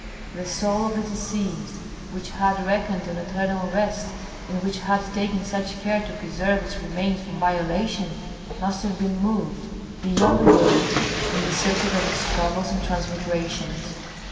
The soul of the deceased, which had reckoned on eternal rest and which had taken such care to preserve its remains from violation, must have been moved, beyond the worlds, in the circuit of its travels and transmigrations.